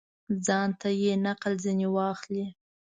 ځانته یې نقل ځني واخلي.